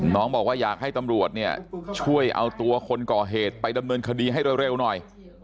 บอกว่าอยากให้ตำรวจเนี่ยช่วยเอาตัวคนก่อเหตุไปดำเนินคดีให้เร็วหน่อย